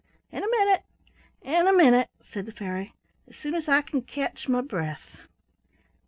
"In a minute! in a minute!" said the fairy. "As soon as I can catch my breath."